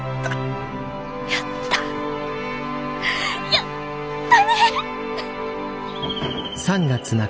やったね！